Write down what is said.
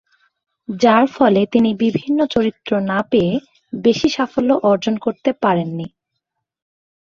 যার ফলে তিনি বিভিন্ন চরিত্র না পেয়ে বেশি সাফল্য অর্জন করতে পারেননি।